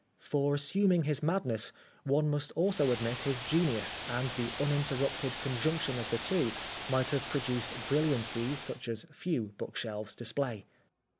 For assuming his madness, one must also admit his genius and the uninterrupted conjunction of the two might have produced brilliancies such as few bookshelves display.